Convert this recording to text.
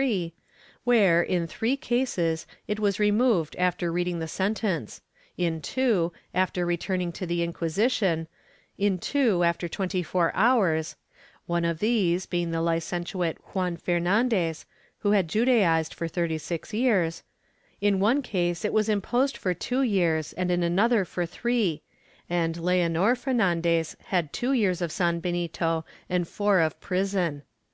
164: HABSHEB PENALTIES [Book VII of May 27, 1593, where, in three cases, it was removed after reading the sentence, in two, after returning to the Inquisition, in two, after twenty four hours (one of these being the Licentiate Juan Fernandez, who had Judaized for thirty six years), in one case it was imposed for two years and in another for three, and Leonor Fernandez had two years of sanbenito and four of prison.